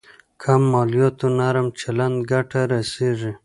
کم مالياتو نرم چلند ګټه رسېږي.